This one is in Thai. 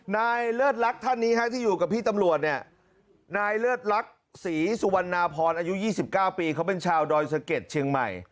เลิศลักษณ์ท่านนี้ที่อยู่กับพี่ตำรวจเนี่ยนายเลิศลักษณ์ศรีสุวรรณพรอายุ๒๙ปีเขาเป็นชาวดอยสะเก็ดเชียงใหม่